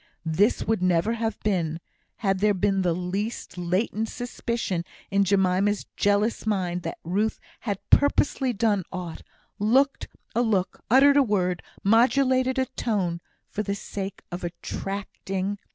This would never have been, had there been the least latent suspicion in Jemima's jealous mind that Ruth had purposely done aught looked a look uttered a word modulated a tone for the sake of attracting.